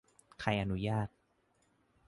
ใครอนุญาต